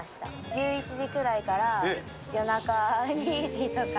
１１時ぐらいから夜中２時とか。